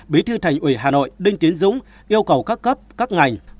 bí thư thành ủy hà nội đinh tiến dũng yêu cầu các cấp các ngành các bệnh nhân tử vong do covid một mươi chín